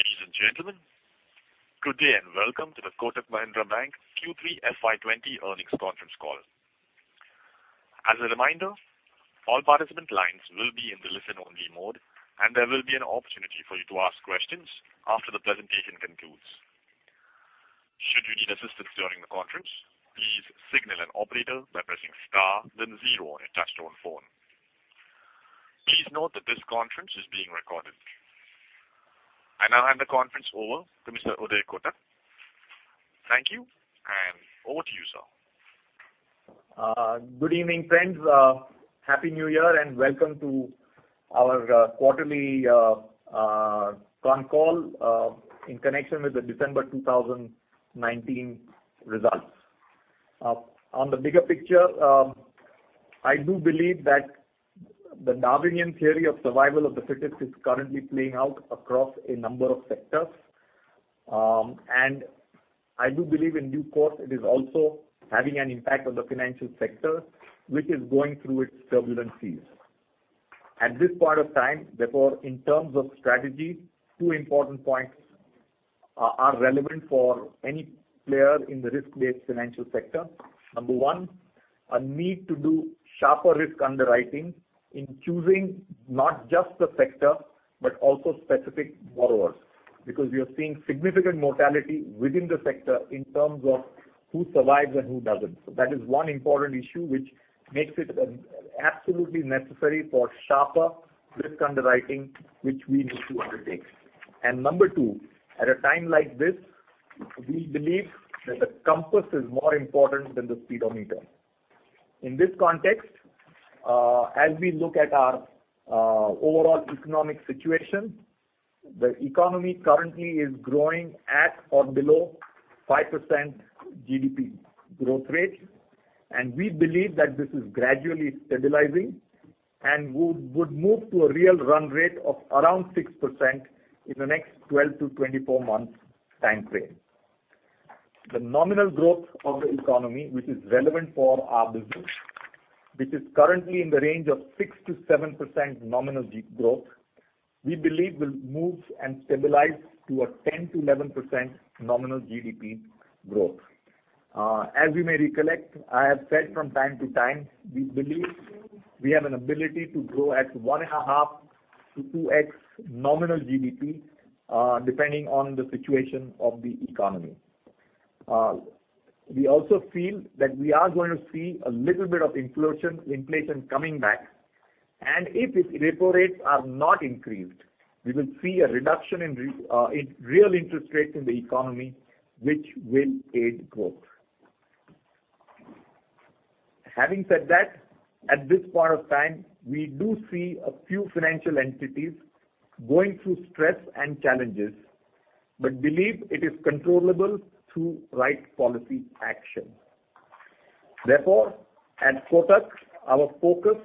Ladies and gentlemen, good day, and welcome to the Kotak Mahindra Bank Q3 FY20 Earnings Conference Call. As a reminder, all participant lines will be in the listen-only mode, and there will be an opportunity for you to ask questions after the presentation concludes. Should you need assistance during the conference, please signal an operator by pressing star, then zero on your touchtone phone. Please note that this conference is being recorded. I now hand the conference over to Mr. Uday Kotak. Thank you, and over to you, sir. Good evening, friends. Happy New Year, and welcome to our quarterly con call in connection with the December two thousand nineteen results. On the bigger picture, I do believe that the Darwinian theory of survival of the fittest is currently playing out across a number of sectors, and I do believe in due course, it is also having an impact on the financial sector, which is going through its turbulent seas. At this part of time, therefore, in terms of strategy, two important points are relevant for any player in the risk-based financial sector. Number one, a need to do sharper risk underwriting in choosing not just the sector, but also specific borrowers, because we are seeing significant mortality within the sector in terms of who survives and who doesn't. So that is one important issue, which makes it, absolutely necessary for sharper risk underwriting, which we need to undertake. And number two, at a time like this, we believe that the compass is more important than the speedometer. In this context, as we look at our overall economic situation, the economy currently is growing at or below 5% GDP growth rate, and we believe that this is gradually stabilizing, and would move to a real run rate of around 6% in the next 12-24 months time frame. The nominal growth of the economy, which is relevant for our business, which is currently in the range of 6%-7% nominal growth, we believe will move and stabilize to a 10%-11% nominal GDP growth. As you may recollect, I have said from time to time, we believe we have an ability to grow at one and a half to two X nominal GDP, depending on the situation of the economy. We also feel that we are going to see a little bit of inflation, inflation coming back, and if its repo rates are not increased, we will see a reduction in real interest rates in the economy, which will aid growth. Having said that, at this part of time, we do see a few financial entities going through stress and challenges, but believe it is controllable through right policy action. Therefore, at Kotak, our focus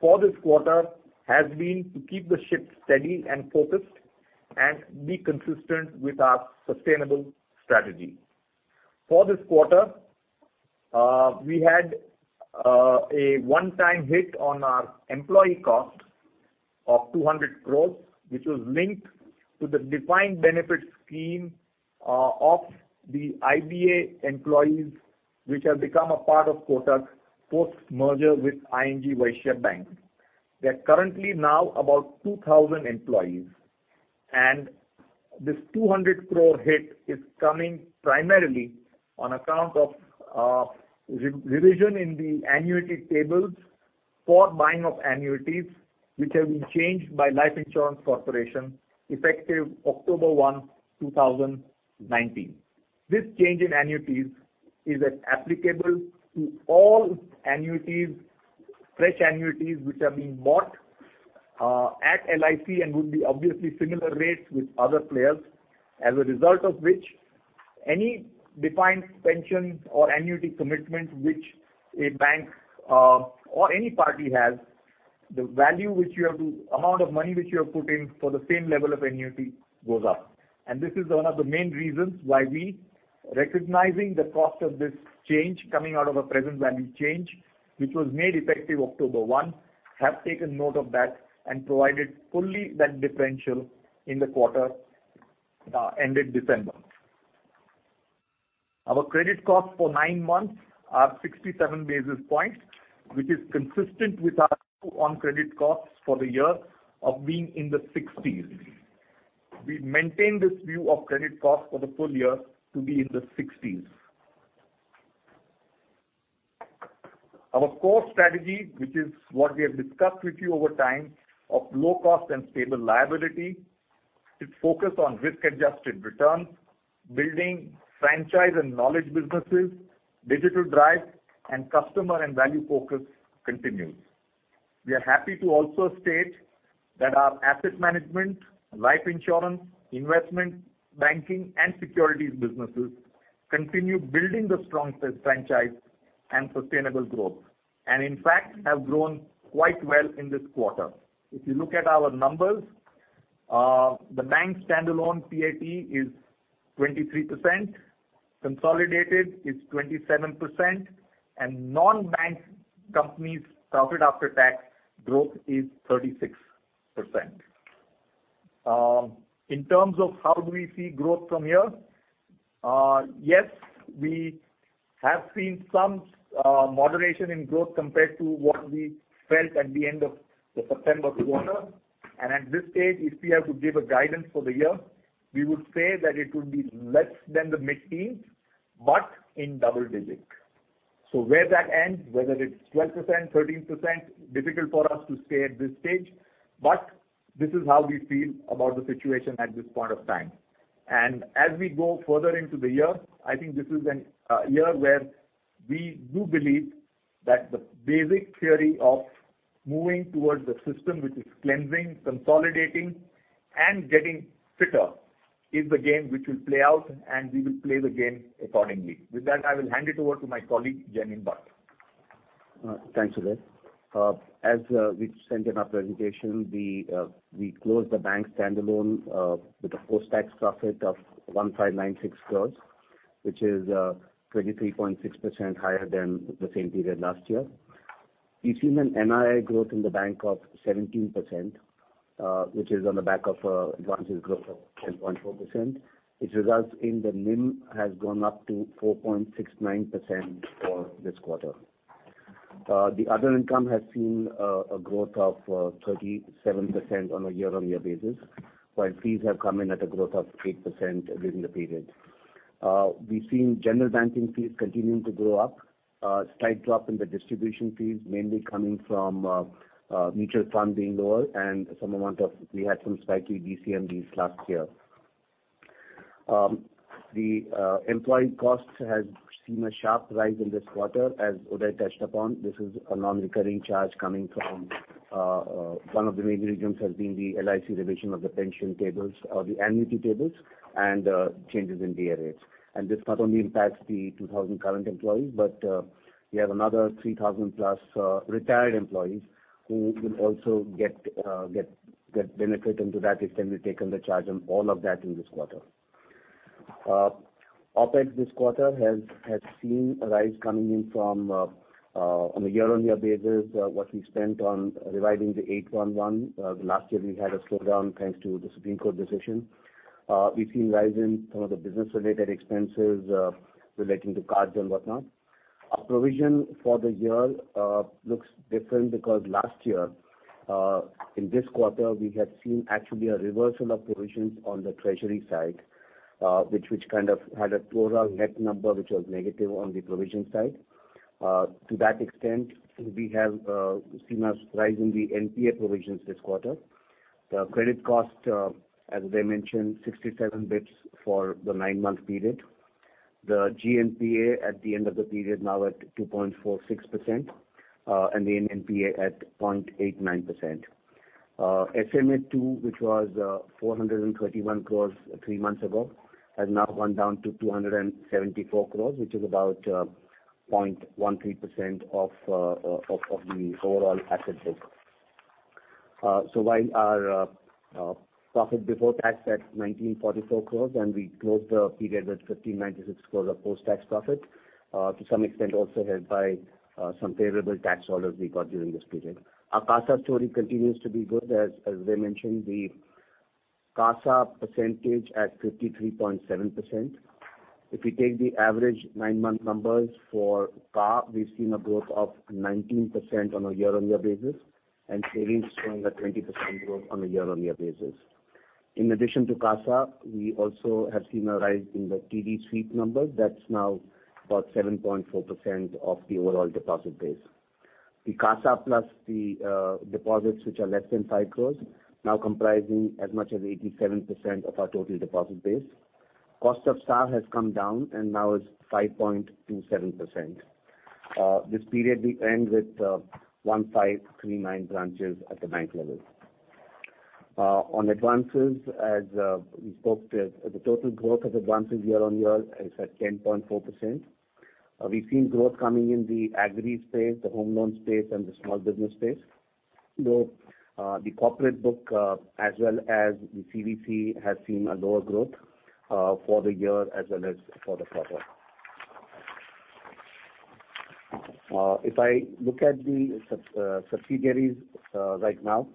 for this quarter has been to keep the ship steady and focused, and be consistent with our sustainable strategy. For this quarter, we had a one-time hit on our employee cost of 200 crore, which was linked to the defined benefit scheme of the IBA employees, which have become a part of Kotak, post-merger with ING Vysya Bank. They are currently now about 2,000 employees, and this 200 crore hit is coming primarily on account of revision in the annuity tables for buying of annuities, which have been changed by Life Insurance Corporation, effective October 1, 2019. This change in annuities is applicable to all annuities, fresh annuities, which are being bought at LIC and would be obviously similar rates with other players, as a result of which, any defined pension or annuity commitments which a bank or any party has, the amount of money which you have put in for the same level of annuity goes up. And this is one of the main reasons why we, recognizing the cost of this change coming out of a present value change, which was made effective October one, have taken note of that and provided fully that differential in the quarter ended December. Our credit costs for nine months are 67 basis points, which is consistent with our view on credit costs for the year of being in the sixties. We maintain this view of credit costs for the full year to be in the sixties. Our core strategy, which is what we have discussed with you over time, of low cost and stable liability, is focused on risk-adjusted returns, building franchise and knowledge businesses, digital drive, and customer and value focus continues. We are happy to also state that our asset management, life insurance, investment banking, and securities businesses continue building the strong franchise and sustainable growth, and in fact, have grown quite well in this quarter. If you look at our numbers, the bank's standalone PAT is 23%. Consolidated is 27%, and non-bank companies' profit after tax growth is 36%. In terms of how do we see growth from here? Yes, we have seen some moderation in growth compared to what we felt at the end of the September quarter. At this stage, if we have to give a guidance for the year, we would say that it would be less than the mid-teens, but in double digits. So where that ends, whether it's 12%, 13%, difficult for us to say at this stage, but this is how we feel about the situation at this point of time. As we go further into the year, I think this is a year where we do believe that the basic theory of moving towards the system, which is cleansing, consolidating, and getting fitter, is the game which will play out, and we will play the game accordingly. With that, I will hand it over to my colleague, Jaimin Bhatt. Thanks, Uday. As we've sent in our presentation, we closed the bank standalone with a post-tax profit of 1,596 crore, which is 23.6% higher than the same period last year. We've seen an NII growth in the bank of 17%, which is on the back of advances growth of 10.4%, which results in the NIM has gone up to 4.69% for this quarter. The other income has seen a growth of 37% on a year-on-year basis, while fees have come in at a growth of 8% during the period. We've seen general banking fees continuing to go up, a slight drop in the distribution fees, mainly coming from, mutual funds being lower and some amount of we had some slightly DCM last year. The employee costs has seen a sharp rise in this quarter, as Uday touched upon. This is a non-recurring charge coming from, one of the major items has been the LIC revision of the pension tables or the annuity tables and, changes in DA rates. And this not only impacts the 2,000 current employees, but, we have another 3,000 plus, retired employees who will also get benefit into that, it can be taken the charge on all of that in this quarter. OpEx this quarter has seen a rise coming in from on a year-on-year basis what we spent on reviving the 811. Last year, we had a slowdown, thanks to the Supreme Court decision. We've seen rise in some of the business-related expenses relating to cards and whatnot. Our provision for the year looks different because last year in this quarter, we had seen actually a reversal of provisions on the treasury side, which kind of had a overall net number, which was negative on the provision side. To that extent, we have seen a rise in the NPA provisions this quarter. The credit cost, as I mentioned, 67 bips for the nine-month period. The GNPA at the end of the period, now at 2.46%, and the NNPA at 0.89%. SMA 2, which was 431 crores three months ago, has now gone down to 274 crores, which is about 0.13% of the overall asset base. So while our profit before tax at 1,944 crores, and we closed the period with 1,596 crores of post-tax profit, to some extent also helped by some favorable tax orders we got during this period. Our CASA story continues to be good. As I mentioned, the CASA percentage at 53.7%. If you take the average nine-month numbers for CAR, we've seen a growth of 19% on a year-on-year basis, and savings showing a 20% growth on a year-on-year basis. In addition to CASA, we also have seen a rise in the TD sweep numbers. That's now about 7.4% of the overall deposit base. The CASA plus the deposits, which are less than five crores, now comprising as much as 87% of our total deposit base. Cost of staff has come down and now is 5.27%. This period, we end with 1,539 branches at the bank level. On advances, as we spoke to, the total growth of advances year-on-year is at 10.4%. We've seen growth coming in the agri space, the home loan space, and the small business space. Though, the corporate book, as well as the CV/CE, has seen a lower growth, for the year as well as for the quarter. If I look at the subsidiaries, right now,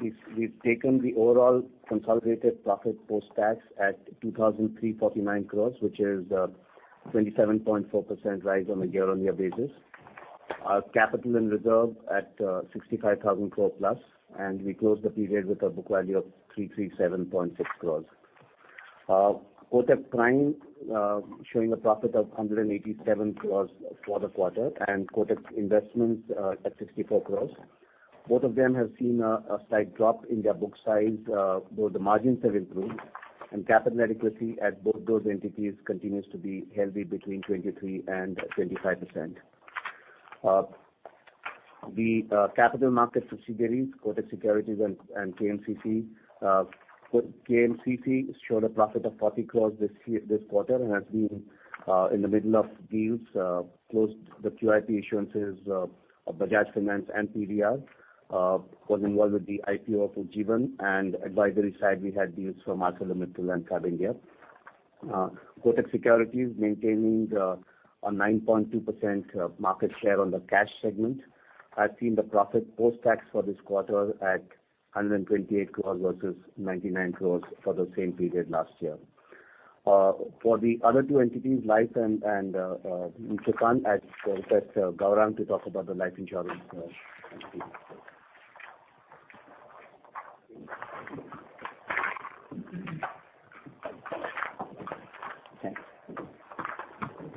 we've taken the overall consolidated profit post-tax at 2,349 crore, which is a 27.4% rise on a year-on-year basis. Our capital and reserve at 65,000 crore plus, and we closed the period with a book value of 337.6 crore. Kotak Prime showing a profit of 187 crore for the quarter, and Kotak Investments at 64 crore. Both of them have seen a slight drop in their book size, though the margins have improved, and capital adequacy at both those entities continues to be healthy between 23% and 25%. The capital market subsidiaries, Kotak Securities and KMCC, showed a profit of 40 crores this quarter, and has been in the middle of deals, closed the QIP issuances of Bajaj Finance and PVR, was involved with the IPO of Ujjivan, and advisory side, we had deals from ArcelorMittal and Tower InvIT. Kotak Securities maintaining a 9.2% market share on the cash segment. I've seen the profit post-tax for this quarter at 128 crores versus 99 crores for the same period last year. For the other two entities, Life and Mutual Fund, I'd request Gaurang to talk about the life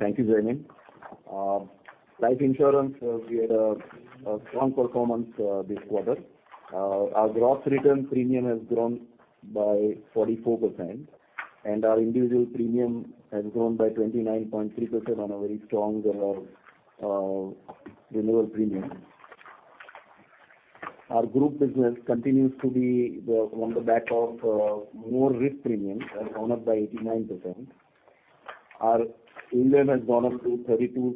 insurance entity. Thanks. Thank you, Jaimin. Life insurance, we had a strong performance this quarter. Our gross written premium has grown by 44%, and our individual premium has grown by 29.3% on a very strong renewal premium. Our group business continues to be the, on the back of, more risk premium and has gone up by 89%.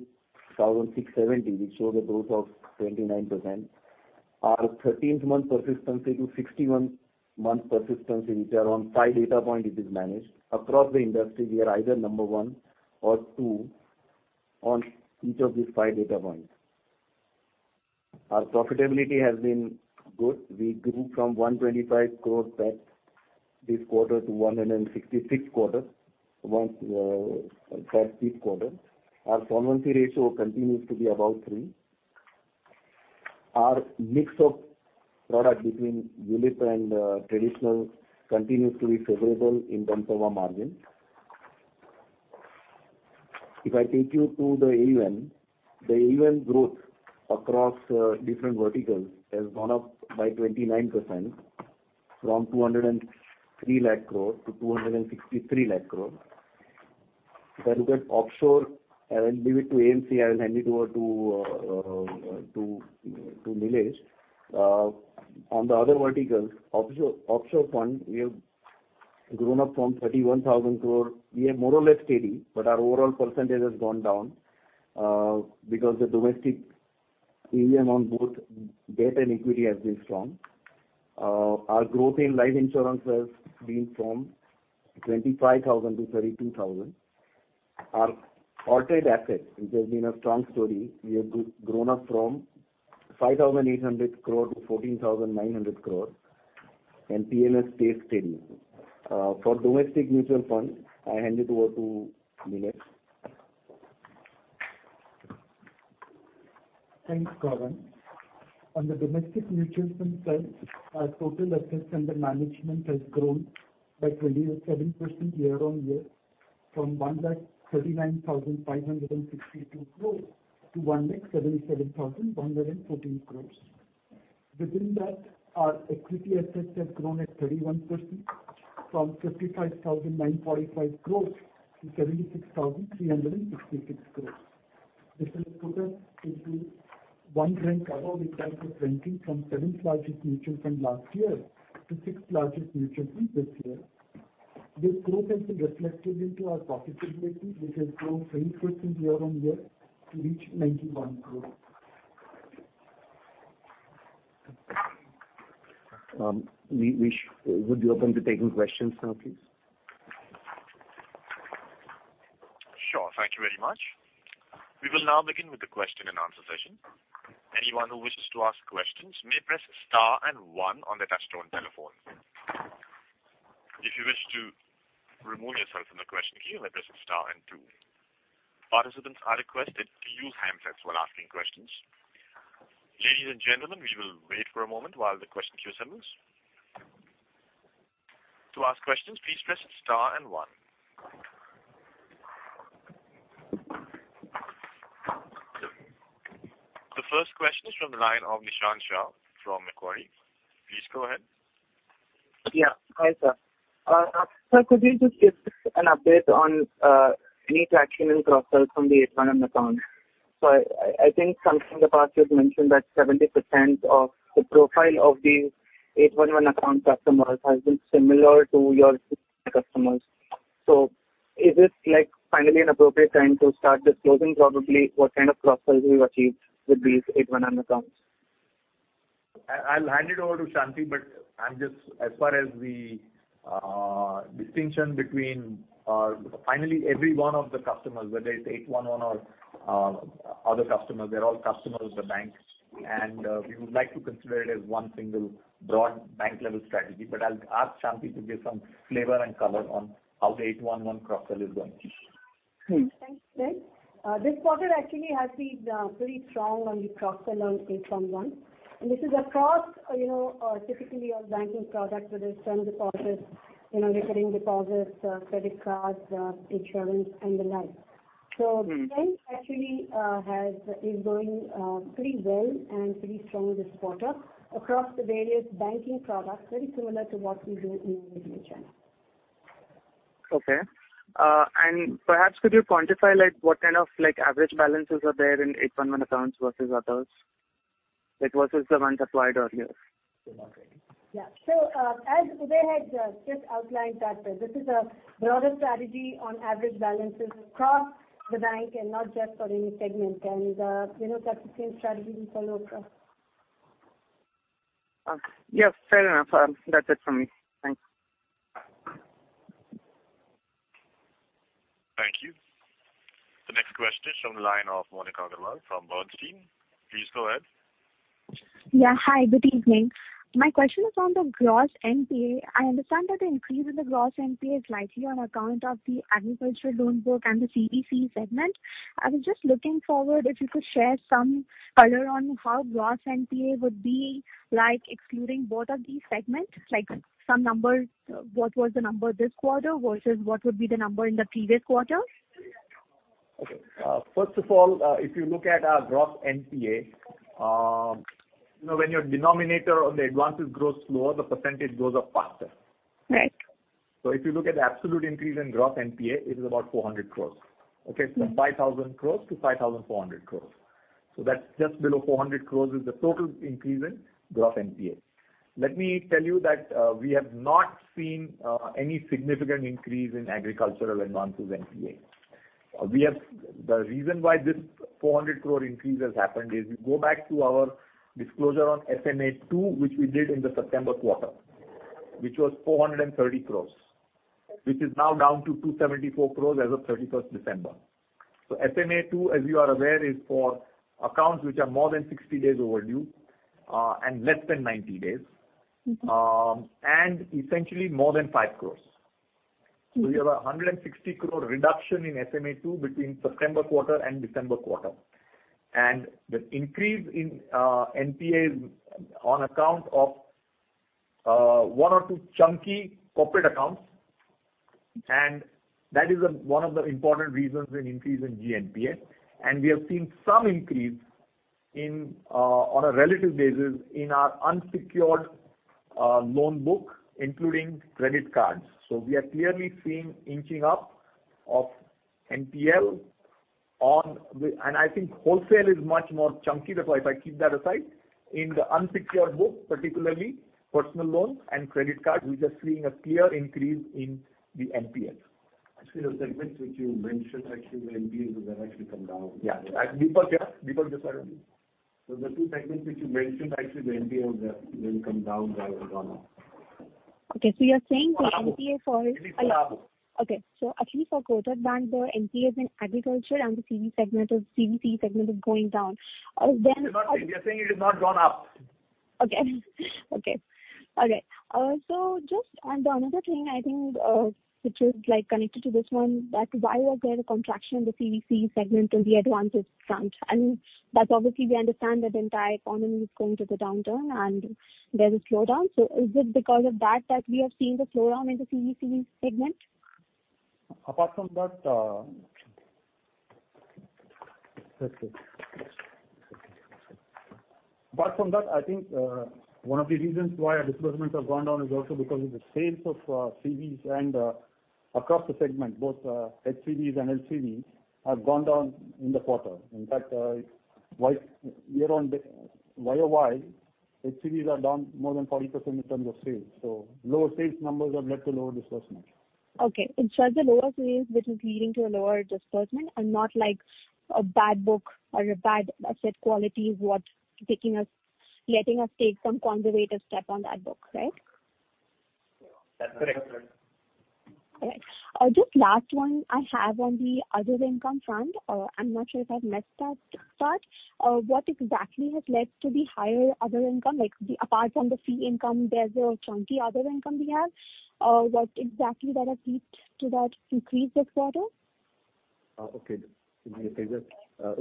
Our AUM has gone up to 32,670, which shows the growth of 29%. Our 13th month persistency to 61-month persistency, which are on 5 data points, it is managed. Across the industry, we are either number one or two on each of these 5 data points. Our profitability has been good. We grew from 125 crores PAT this quarter to 166 crores last quarter. Our solvency ratio continues to be above three. Our mix of product between ULIP and traditional continues to be favorable in terms of our margin. If I take you to the AUM, the AUM growth across different verticals has gone up by 29% from 203 lakh crore to 263 lakh crore. If I look at offshore, I will leave it to AMC. I will hand it over to Nilesh. On the other verticals, offshore fund, we have grown up from 31,000 crore. We are more or less steady, but our overall percentage has gone down because the domestic AUM on both debt and equity has been strong. Our growth in life insurance has been from 25,000 to 32,000. Our alternative assets, which has been a strong story, we have grown up from 5,800 crore to 14,900 crore, and PNL stays steady. For domestic mutual funds, I hand it over to Nilesh. Thanks, Gaurang Shah. On the domestic mutual funds side, our total assets under management has grown by 27% year-on-year, from 1,39,562 crore to 1,77,114 crore. Within that, our equity assets have grown at 31% from 55,945 crore to 76,366 crore. This has put us into one rank above in terms of ranking from seventh largest mutual fund last year to sixth largest mutual fund this year. This growth has been reflected into our profitability, which has grown 20% year-on-year to reach 91 crore. We would be open to taking questions now, please. Sure. Thank you very much. We will now begin with the question and answer session. Anyone who wishes to ask questions may press star and one on their touchtone telephone. If you wish to remove yourself from the question queue, then press star and two. Participants are requested to use handsets while asking questions. Ladies and gentlemen, we will wait for a moment while the question queue assembles. To ask questions, please press star and one. The first question is from the line of Nishant Shah from Macquarie. Please go ahead. Yeah. Hi, sir. Sir, could you just give an update on any traction and cross-sell from the 811 account? So I think sometime in the past, you've mentioned that 70% of the profile of the 811 account customers has been similar to your customers. So is this, like, finally an appropriate time to start cross-selling? Probably, what kind of cross-sell you've achieved with these 811 accounts? I, I'll hand it over to Shanti, but I'm just, as far as the, distinction between, finally, every one of the customers, whether it's 811 or, other customers, they're all customers of the bank, and, we would like to consider it as one single broad bank-level strategy. But I'll ask Shanti to give some flavor and color on how the 811 cross-sell is going. Thanks, Nish. This quarter actually has been pretty strong on the cross-sell on 811, and this is across, you know, typically our banking products, whether it's term deposits, you know, recurring deposits, credit cards, insurance, and the like. Mm. The bank actually is doing pretty well and pretty strong this quarter across the various banking products, very similar to what we do in mutual channel. Okay, and perhaps could you quantify, like, what kind of, like, average balances are there in 811 accounts versus others? ... it versus the one supplied earlier? Yeah. So, as Uday had just outlined that this is a broader strategy on average balances across the bank and not just for any segment, and, you know, that's the same strategy we follow across. Yes, fair enough. That's it from me. Thanks. Thank you. The next question is from the line of Monica Agarwal from Bernstein. Please go ahead. Yeah, hi, good evening. My question is on the gross NPA. I understand that the increase in the gross NPA is likely on account of the agriculture loan book and the CBC segment. I was just looking forward, if you could share some color on how gross NPA would be like excluding both of these segments, like some numbers, what was the number this quarter versus what would be the number in the previous quarter? Okay, first of all, if you look at our gross NPA, you know, when your denominator on the advances grows slower, the percentage goes up faster. Right. So if you look at the absolute increase in gross NPA, it is about 400 crores, okay? Mm-hmm. From 5,000 crore to 5,400 crore. So that's just below 400 crore is the total increase in gross NPA. Let me tell you that, we have not seen any significant increase in agricultural advances NPA. The reason why this four hundred crore increase has happened is, if you go back to our disclosure on SMA 2, which we did in the September quarter, which was 430 crore, which is now down to 274 crore as of thirty-first December. So SMA 2, as you are aware, is for accounts which are more than sixty days overdue, and less than ninety days. Okay. And essentially more than five crores. Mm-hmm. So we have 160 crore reduction in SMA 2 between September quarter and December quarter. And the increase in NPAs on account of one or two chunky corporate accounts, and that is one of the important reasons in increase in GNPA. And we have seen some increase in on a relative basis in our unsecured loan book, including credit cards. So we are clearly seeing inching up of NPL on the... And I think wholesale is much more chunky, that's why if I keep that aside, in the unsecured book, particularly personal loans and credit cards, we're just seeing a clear increase in the NPLs. Actually, the segments which you mentioned, actually, the NPAs have actually come down. Yeah, Dipak yeah? Dipak, just say it again. The two segments which you mentioned, actually, the NPA was, they've come down rather than gone up. Okay, so you're saying the NPA for- It is gone up. Okay. So actually for Kotak Bank, the NPAs in agriculture and the CV segment is going down. Then- We are saying it has not gone up. Okay. Okay, all right. So just on another thing, I think, which is like connected to this one, that why was there a contraction in the CV segment on the advances front? And that's obviously we understand that the entire economy is going through the downturn and there is slowdown. So is it because of that, that we are seeing the slowdown in the CV segment? Apart from that, I think one of the reasons why our disbursements have gone down is also because of the sales of CVs and across the segment, both HCVs and LCVs have gone down in the quarter. In fact, year on year, HCVs are down more than 40% in terms of sales. So lower sales numbers have led to lower disbursement. Okay. It's just the lower sales which is leading to a lower disbursement and not like a bad book or a bad asset quality is what's taking us- letting us take some conservative step on that book, right? That's correct. All right. Just last one I have on the other income front. I'm not sure if I've missed that part. What exactly has led to the higher other income? Like, apart from the fee income, there's a chunky other income we have. What exactly has led to that increase this quarter? Okay. If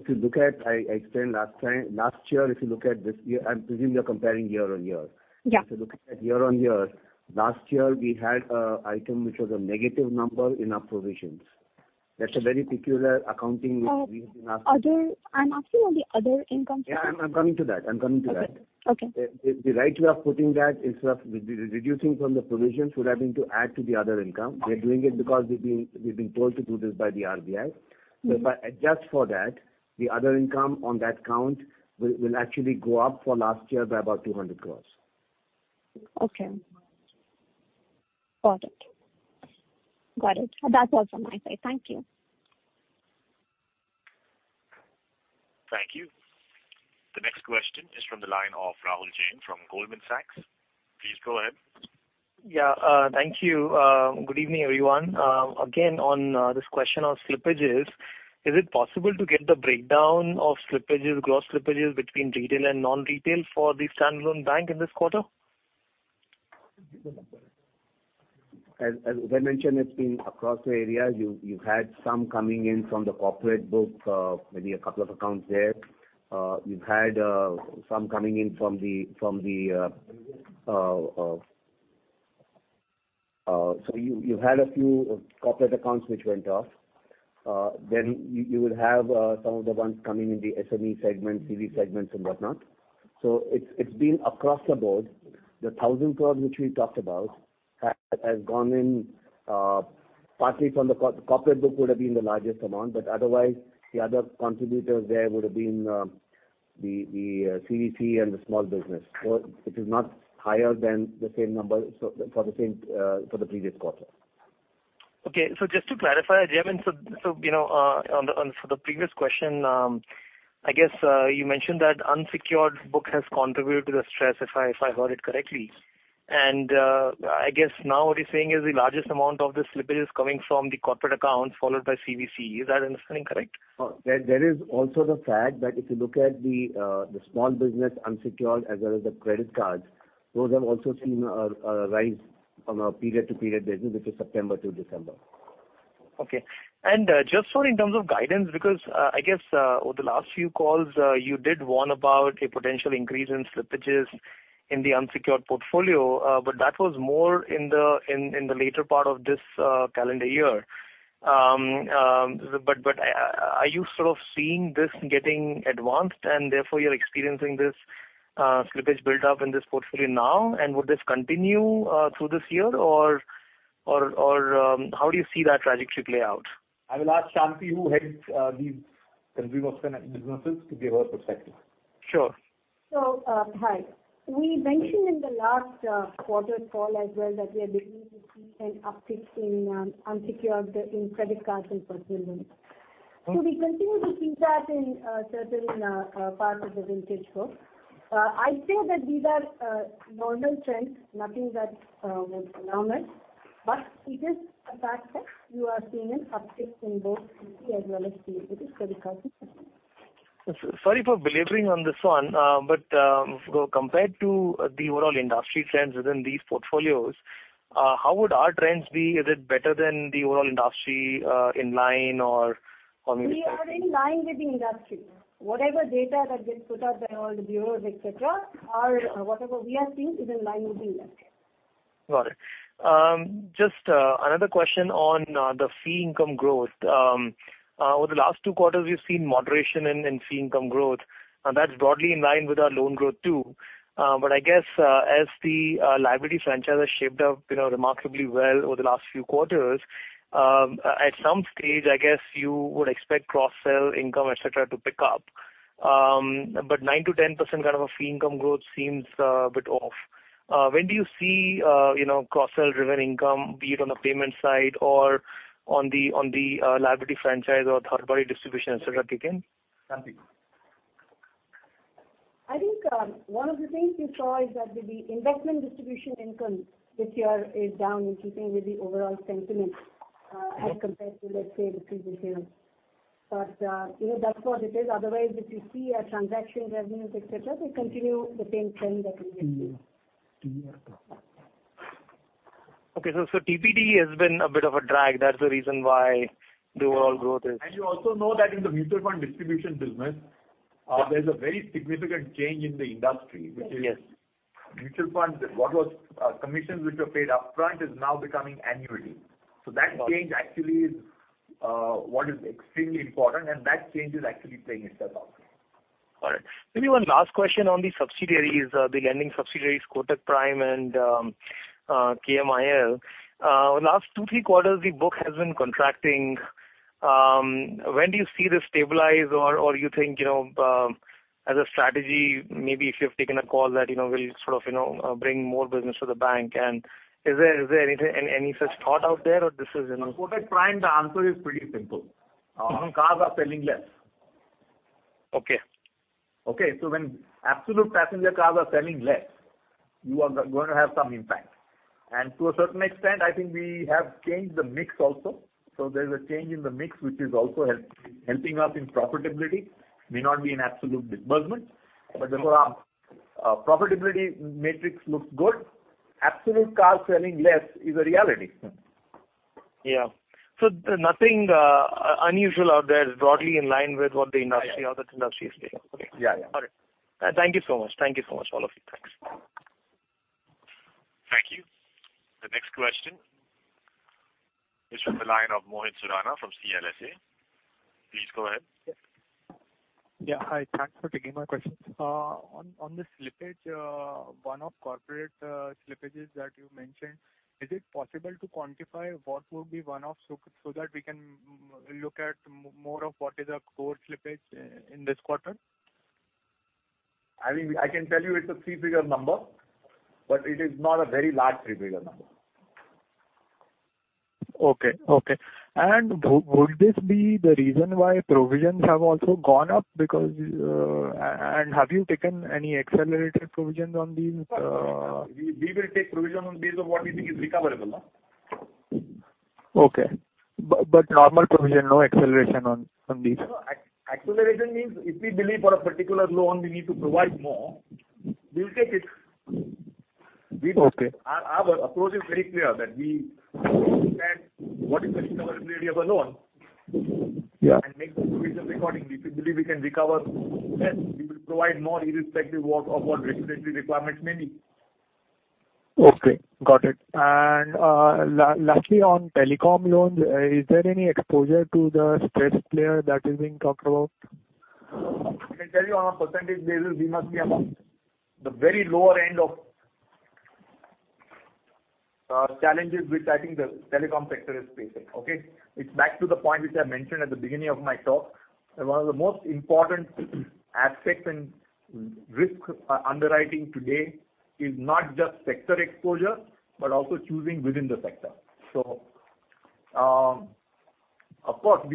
you look at... I explained last time, last year, if you look at this year, I'm assuming you're comparing year on year. Yeah. If you look at year on year, last year, we had an item which was a negative number in our provisions. That's a very peculiar accounting which we've been asking- I'm asking on the other income. Yeah, I'm coming to that. I'm coming to that. Okay. Okay. The right way of putting that, instead of reducing from the provisions, would have been to add to the other income. Okay. We're doing it because we've been told to do this by the RBI. Mm-hmm. So if I adjust for that, the other income on that count will actually go up for last year by about 200 crores. Okay. Got it. Got it. That's all from my side. Thank you. Thank you. The next question is from the line of Rahul Jain from Goldman Sachs. Please go ahead. Yeah, thank you. Good evening, everyone. Again, on this question of slippages, is it possible to get the breakdown of slippages, gross slippages between retail and non-retail for the standalone bank in this quarter? As I mentioned, it's been across the areas. You've had some coming in from the corporate book, maybe a couple of accounts there. So you've had a few corporate accounts which went off. Then you would have some of the ones coming in the SME segment, CV segments and whatnot. So it's been across the board. The thousand crores, which we talked about, has gone in.... partly from the corporate book would have been the largest amount, but otherwise the other contributors there would have been the CVC and the small business. So it is not higher than the same number, so for the same for the previous quarter. Okay, so just to clarify, Jay, I mean, so, you know, on for the previous question, I guess, you mentioned that unsecured book has contributed to the stress, if I, if I heard it correctly. And, I guess now what you're saying is the largest amount of this slippage is coming from the corporate accounts, followed by CVC. Is that understanding correct? Oh, there is also the fact that if you look at the small business unsecured, as well as the credit cards, those have also seen a rise on a period-to-period basis, which is September to December. Okay. And just so in terms of guidance, because I guess over the last few calls you did warn about a potential increase in slippages in the unsecured portfolio, but that was more in the later part of this calendar year. But are you sort of seeing this getting advanced and therefore you're experiencing this slippage build up in this portfolio now? And would this continue through this year, or how do you see that trajectory play out? I will ask Shanti, who heads these consumer-facing businesses, to give her perspective. Sure. So, hi. We mentioned in the last quarter call as well that we are beginning to see an uptick in unsecured in credit cards and personal loans. So we continue to see that in certain part of the vintage book. I'd say that these are normal trends, nothing that would alarm us, but it is a fact that you are seeing an uptick in both as well as credit cards. Sorry for belaboring on this one, but so compared to the overall industry trends within these portfolios, how would our trends be? Is it better than the overall industry, in line or from your perspective? We are in line with the industry. Whatever data that gets put out by all the bureaus, et cetera, are whatever we are seeing is in line with the industry. Got it. Just, another question on, the fee income growth. Over the last two quarters, we've seen moderation in, fee income growth, and that's broadly in line with our loan growth, too. But I guess, as the, liability franchise shaped up, you know, remarkably well over the last few quarters, at some stage, I guess you would expect cross-sell income, et cetera, to pick up. But 9%-10% kind of a fee income growth seems, a bit off. When do you see, you know, cross-sell driven income, be it on the payment side or on the, on the, liability franchise or third party distribution, et cetera, kick in? Shanti? I think, one of the things you saw is that with the investment distribution income this year is down in keeping with the overall sentiment, as compared to, let's say, the previous year. But, you know, that's what it is. Otherwise, if you see our transaction revenues, et cetera, we continue the same trend that we have seen. Yes. Okay. So, TD has been a bit of a drag. That's the reason why the overall growth is- And you also know that in the mutual fund distribution business, Yes. There's a very significant change in the industry, which is. Yes. Mutual funds, what was commissions which were paid upfront, is now becoming annually. Got it. That change actually is what is extremely important, and that change is actually playing itself out. All right. Maybe one last question on the subsidiaries, the lending subsidiaries, Kotak Prime and KMIL. Last two, three quarters, the book has been contracting. When do you see this stabilize or, or you think, you know, as a strategy, maybe if you have taken a call that, you know, will sort of, you know, bring more business to the bank? And is there any such thought out there, or this is, you know- Kotak Prime, the answer is pretty simple. Cars are selling less. Okay. Okay? So when absolute passenger cars are selling less, you are going to have some impact. And to a certain extent, I think we have changed the mix also. So there's a change in the mix, which is also helping us in profitability. May not be in absolute disbursement, but the profitability matrix looks good. Absolute cars selling less is a reality. Yeah, so nothing unusual out there, broadly in line with what the industry is doing. Yeah. Okay. All right. Thank you so much. Thank you so much, all of you. Thanks. Thank you. The next question is from the line of Mohit Surana from CLSA. Please go ahead. Yes. Yeah, hi. Thanks for taking my questions. On the slippage, one-off corporate slippages that you mentioned, is it possible to quantify what would be one-off, so that we can look at more of what is our core slippage in this quarter? I mean, I can tell you it's a three-figure number, but it is not a very large three-figure number. Okay, okay. And would this be the reason why provisions have also gone up, because? And have you taken any accelerated provisions on these? We will take provision on basis of what we think is recoverable. Okay. But normal provision, no acceleration on these? No, acceleration means if we believe for a particular loan, we need to provide more, we'll take it. Okay. Our approach is very clear, that we look at what is the recoverability of a loan. Yeah. and make the provision accordingly. If we believe we can recover less, we will provide more, irrespective of what regulatory requirements may be. Okay, got it. And lastly, on telecom loans, is there any exposure to the stressed player that is being talked about?... I can tell you on a percentage basis, we must be among the very lower end of challenges which I think the telecom sector is facing, okay? It's back to the point which I mentioned at the beginning of my talk, that one of the most important aspects in risk underwriting today is not just sector exposure, but also choosing within the sector. So, of course,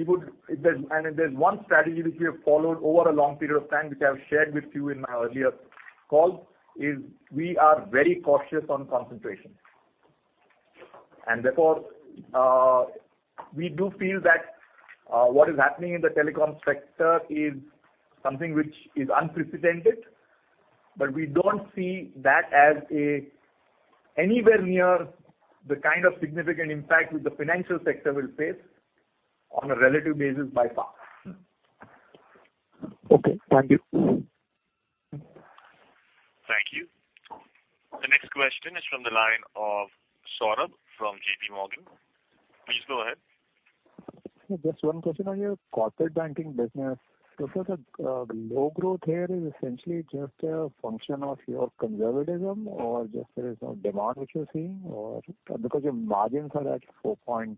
if there's one strategy which we have followed over a long period of time, which I have shared with you in my earlier calls, is we are very cautious on concentration. Therefore, we do feel that what is happening in the telecom sector is something which is unprecedented, but we don't see that as anywhere near the kind of significant impact which the financial sector will face on a relative basis by far. Okay, thank you. Thank you. The next question is from the line of Saurabh from JP Morgan. Please go ahead. Just one question on your corporate banking business. So sir, the low growth here is essentially just a function of your conservatism or just there is no demand which you're seeing, or? Because your margins are at 4.7%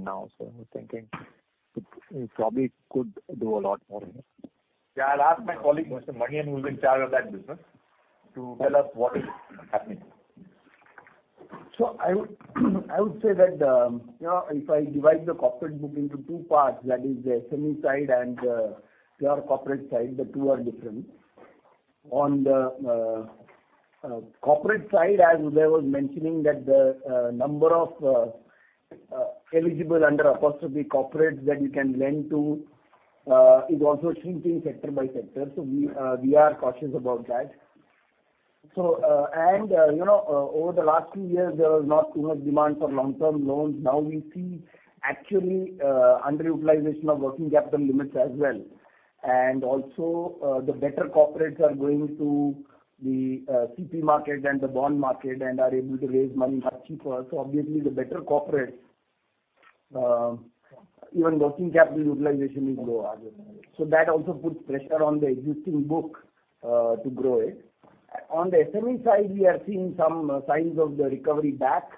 now, so I was thinking it probably could do a lot more here. Yeah, I'll ask my colleague, Mr. Manian, who's in charge of that business, to tell us what is happening. So I would say that, you know, if I divide the corporate book into two parts, that is the SME side and the pure corporate side, the two are different. On the corporate side, as Uday was mentioning, the number of eligible AAA corporates that you can lend to is also shrinking sector by sector. So we are cautious about that. So, and, you know, over the last two years, there was not enough demand for long-term loans. Now, we see actually underutilization of working capital limits as well. And also, the better corporates are going to the CP market and the bond market, and are able to raise money much cheaper. So obviously, the better corporates, even working capital utilization is lower. So that also puts pressure on the existing book to grow it. On the SME side, we are seeing some signs of the recovery back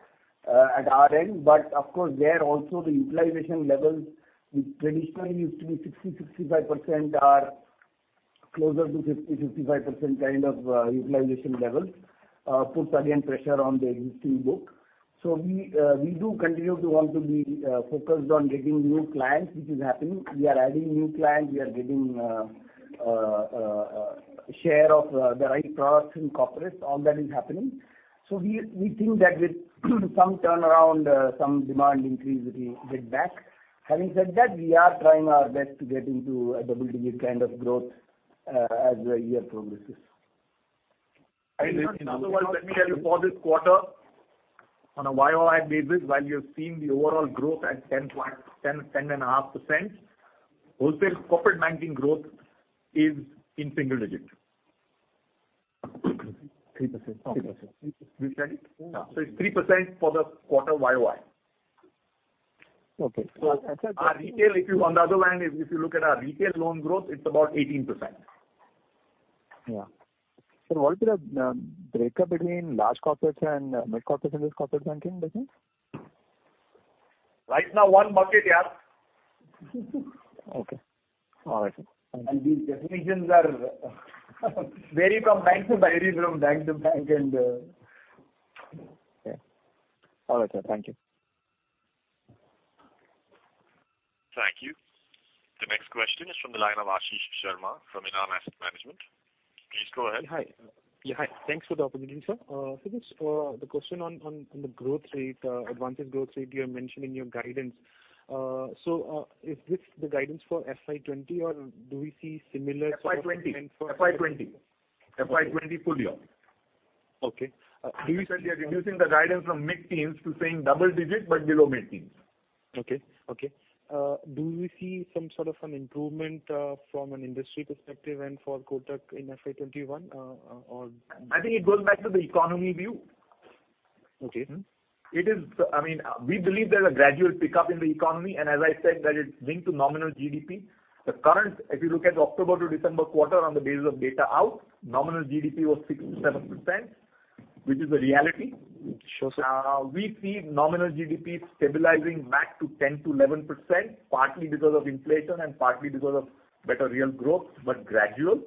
at our end. But of course, there also, the utilization levels, which traditionally used to be 60-65%, are closer to 50-55% kind of utilization levels, puts again pressure on the existing book. So we do continue to want to be focused on getting new clients, which is happening. We are adding new clients. We are getting a share of the right products in corporates. All that is happening. So we think that with some turnaround, some demand increase, we will get back. Having said that, we are trying our best to get into a double-digit kind of growth as the year progresses. Also, let me tell you, for this quarter, on a YOY basis, while you're seeing the overall growth at 10%-10.5%, wholesale corporate banking growth is in single digits. Three percent. Three percent. You said it? Yeah. So it's 3% for the quarter YOY. Okay. So our retail, on the other hand, if you look at our retail loan growth, it's about 18%. Yeah. So what is the breakup between large corporates and mid corporates in this corporate banking business? Right now, one market year. Okay. All right, sir. Thank you. These definitions vary from bank to bank. Okay. All right, sir. Thank you. Thank you. The next question is from the line of Ashish Sharma from Elara Capital. Please go ahead. Hi. Yeah, hi. Thanks for the opportunity, sir. So just the question on the growth rate, advances growth rate you have mentioned in your guidance. So, is this the guidance for FY 2020, or do we see similar- FY twenty. Okay. FY 2020, full year. Okay. Previously, we were reducing the guidance from mid-teens to saying double digits, but below mid-teens. Okay. Okay. Do we see some sort of an improvement from an industry perspective and for Kotak in FY 2021, or? I think it goes back to the economy view. Okay. Mm-hmm. It is, I mean, we believe there's a gradual pickup in the economy, and as I said, that it's linked to nominal GDP. The current, if you look at October to December quarter on the basis of data out, nominal GDP was 6-7%, which is the reality. Which shows that- We see nominal GDP stabilizing back to 10%-11%, partly because of inflation and partly because of better real growth, but gradual.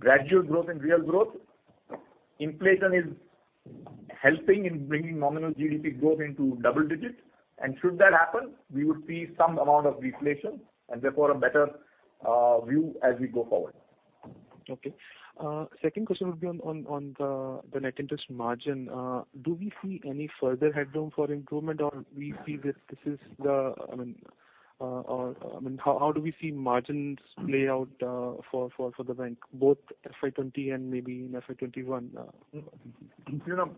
Gradual growth and real growth. Inflation is helping in bringing nominal GDP growth into double digits, and should that happen, we would see some amount of reflation, and therefore, a better view as we go forward. Okay. Second question would be on the net interest margin. Do we see any further headroom for improvement, or we see this, this is the... I mean, or, I mean, how do we see margins play out for the bank, both FY 2020 and maybe in FY 2021? You know,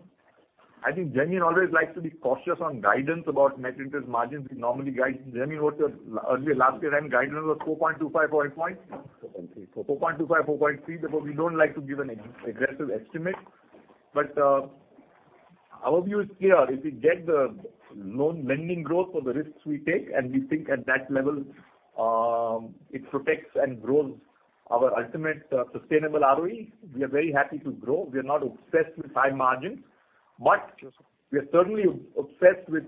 I think Jeroen always likes to be cautious on guidance about net interest margins. We normally guide, Jeroen, what your earlier last year-end guidance was: 4.25%? 4.3. 4.25, 4.3, therefore, we don't like to give an aggressive estimate. But our view is clear. If we get the loan lending growth for the risks we take, and we think at that level, it protects and grows our ultimate sustainable ROE, we are very happy to grow. We are not obsessed with high margins, but we are certainly obsessed with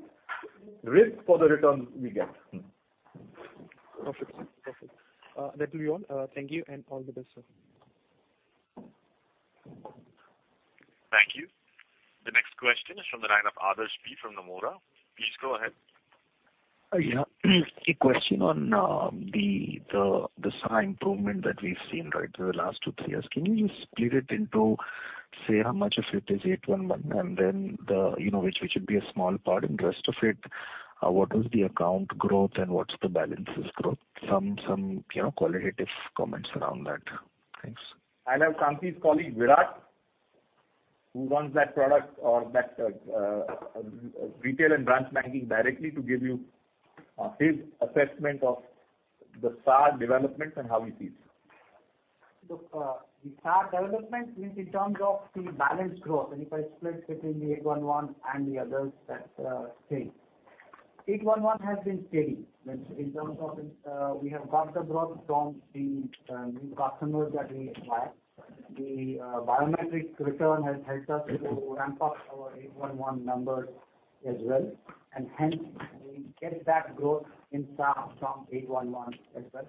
risk for the return we get. Perfect, perfect. That will be all. Thank you and all the best, sir. Thank you. The next question is from the line of Adarsh P from Nomura. Please go ahead. Yeah. A question on the SAR improvement that we've seen right through the last two, three years. Can you split it into, say, how much of it is 811, and then, you know, which would be a small part, and rest of it, what is the account growth and what's the balances growth? Some qualitative comments around that. Thanks. I'll have Shanti's colleague, Virat, who runs that product or that retail and branch banking directly to give you his assessment of the CASA developments and how he sees. Look, the SAR development means in terms of the balance growth, and if I split between the 811 and the others, that's same. 811 has been steady. In terms of, we have got the growth from the new customers that we acquire. The biometric return has helped us to ramp up our 811 numbers as well, and hence we get that growth in SAR from 811 as well.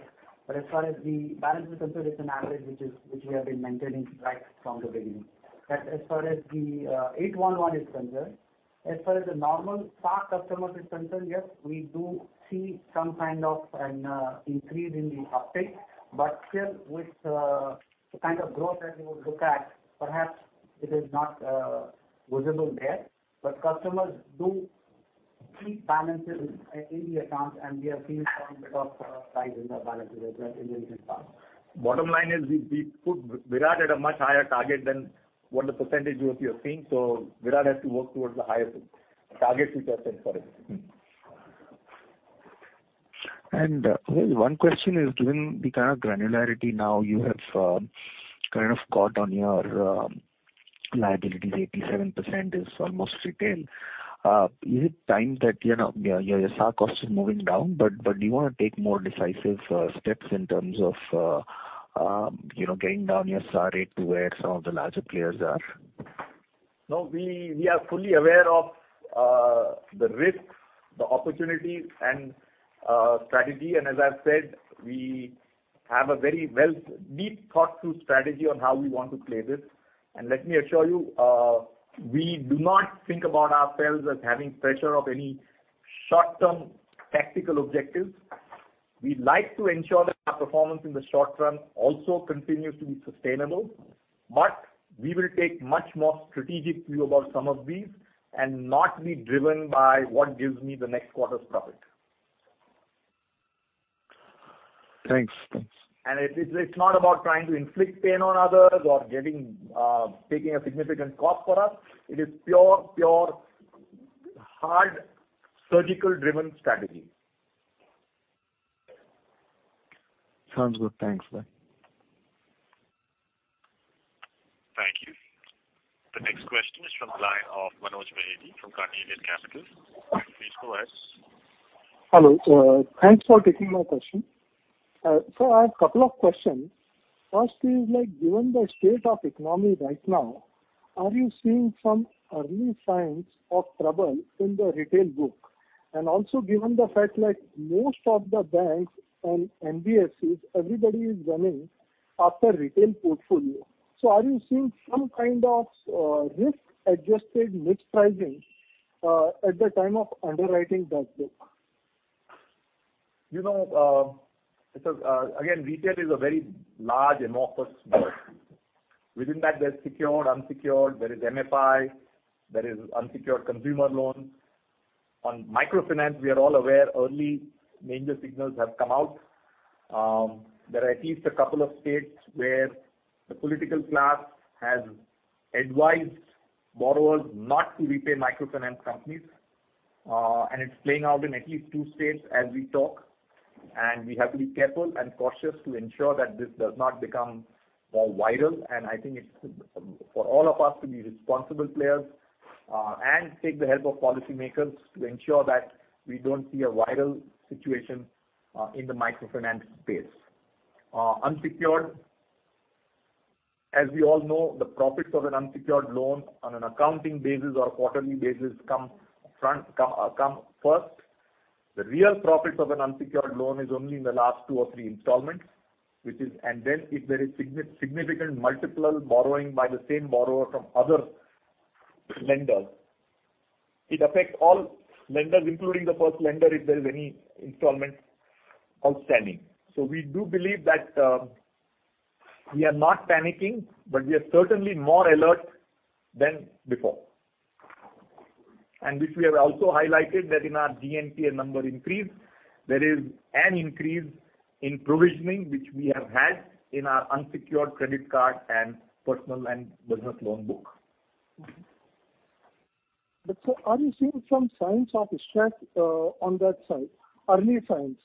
But as far as the balance is concerned, it's an average which we have been maintaining right from the beginning. But as far as the 811 is concerned, as far as the normal CASA customers is concerned, yes, we do see some kind of an increase in the uptake, but still with the kind of growth that you would look at, perhaps it is not visible there. But customers do keep balances in the accounts, and we have seen some better size in the balances as well in the past. Bottom line is we put Virat at a much higher target than what the percentage growth we are seeing, so Virat has to work towards the higher target we set for him. One question is, given the kind of granularity now you have kind of caught on your liabilities, 87% is almost retail. Is it time that, you know, your CASA cost is moving down, but do you want to take more decisive steps in terms of, you know, getting down your CASA rate to where some of the larger players are? No, we are fully aware of the risks, the opportunities and strategy. As I've said, we have a very well deep thought through strategy on how we want to play this. And let me assure you, we do not think about ourselves as having pressure of any short-term tactical objectives. We'd like to ensure that our performance in the short term also continues to be sustainable, but we will take much more strategic view about some of these and not be driven by what gives me the next quarter's profit. Thanks. Thanks. It is not about trying to inflict pain on others or taking a significant cost for us. It is pure, hard, surgical-driven strategy. Sounds good. Thanks. Bye. Thank you. The next question is from the line of Manoj Bahety from Carnelian Capital. Please go ahead. Hello, thanks for taking my question. So I have a couple of questions. First is, like, given the state of economy right now, are you seeing some early signs of trouble in the retail book? And also given the fact, like, most of the banks and NBFCs, everybody is running after retail portfolio. So are you seeing some kind of risk-adjusted mix pricing at the time of underwriting that book? You know, again, retail is a very large, amorphous book. Within that, there's secured, unsecured, there is MFI, there is unsecured consumer loans. On microfinance, we are all aware, early danger signals have come out. There are at least a couple of states where the political class has advised borrowers not to repay microfinance companies, and it's playing out in at least two states as we talk, and we have to be careful and cautious to ensure that this does not become more viral, and I think it's for all of us to be responsible players, and take the help of policymakers to ensure that we don't see a viral situation in the microfinance space. Unsecured, as we all know, the profits of an unsecured loan on an accounting basis or quarterly basis come first. The real profits of an unsecured loan is only in the last two or three installments, which is and then if there is significant multiple borrowing by the same borrower from other lenders, it affects all lenders, including the first lender, if there is any installment outstanding. So we do believe that we are not panicking, but we are certainly more alert than before. And which we have also highlighted that in our GNPA number increase, there is an increase in provisioning, which we have had in our unsecured credit card and personal and business loan book. But sir, are you seeing some signs of stress on that side? Early signs?...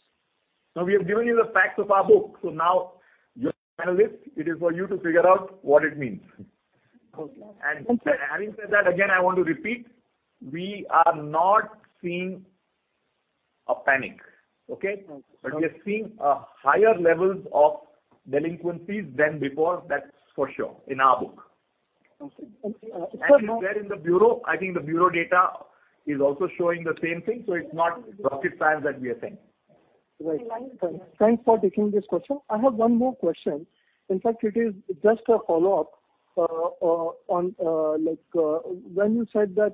So we have given you the facts of our book. So now, you're analysts, it is for you to figure out what it means. And, and having said that, again, I want to repeat, we are not seeing a panic, okay? But we are seeing a higher levels of delinquencies than before, that's for sure, in our book. Okay, okay, sir- Where in the bureau, I think the bureau data is also showing the same thing, so it's not rocket science that we are saying. Right. Thanks for taking this question. I have one more question. In fact, it is just a follow-up, on, like, when you said that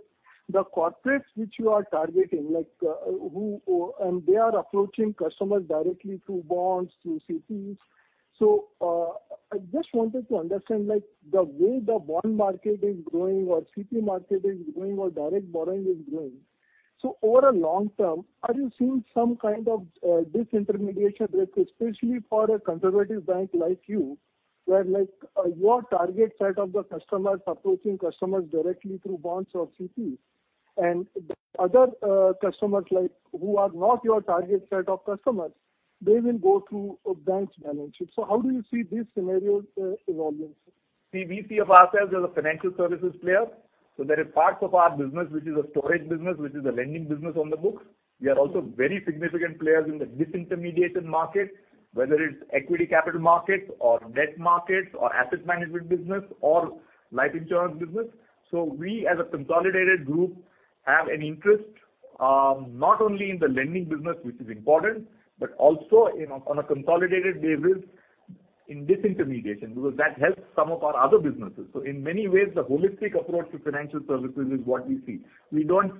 the corporates which you are targeting, like, and they are approaching customers directly through bonds, through CPs. So, I just wanted to understand, like, the way the bond market is growing or CP market is growing or direct borrowing is growing, so over a long term, are you seeing some kind of, disintermediation risk, especially for a conservative bank like you, where, like, your target set of the customers approaching customers directly through bonds or CPs, and the other, customers, like, who are not your target set of customers, they will go through a bank's balance sheet. So how do you see this scenario, evolving, sir? See, we see of ourselves as a financial services player. So there are parts of our business which is a storage business, which is a lending business on the books. We are also very significant players in the disintermediation market, whether it's equity capital markets or debt markets or asset management business or life insurance business. So we, as a consolidated group, have an interest, not only in the lending business, which is important, but also on a consolidated basis in disintermediation, because that helps some of our other businesses. So in many ways, the holistic approach to financial services is what we see. We don't,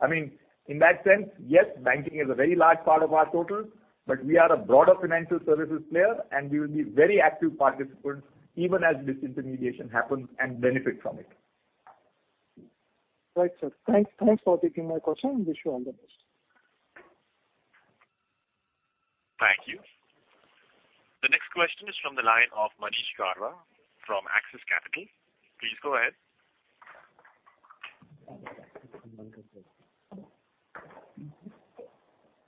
I mean, in that sense, yes, banking is a very large part of our total, but we are a broader financial services player, and we will be very active participants even as disintermediation happens, and benefit from it. Right, sir. Thanks, thanks for taking my question, and wish you all the best. Thank you. The next question is from the line of Manish Karwa from Axis Capital. Please go ahead.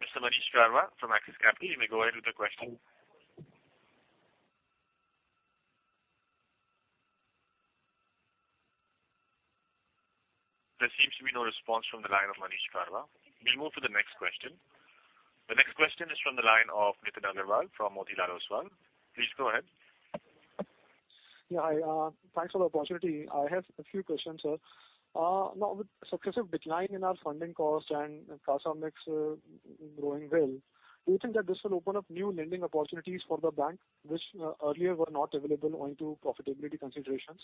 Mr. Manish Karwa from Axis Capital, you may go ahead with the question. There seems to be no response from the line of Manish Karwa. We'll move to the next question. The next question is from the line of Nitin Aggarwal from Motilal Oswal. Please go ahead. Yeah, hi, thanks for the opportunity. I have a few questions, sir. Now with successive decline in our funding costs and CASA mix, growing well, do you think that this will open up new lending opportunities for the bank, which earlier were not available owing to profitability considerations?